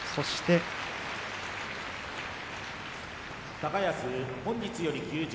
高安本日より休場。